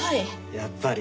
やっぱり。